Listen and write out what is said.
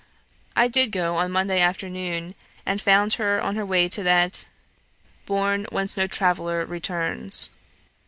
I did go on Monday afternoon, and found her on her way to that 'bourn whence no traveller returns.'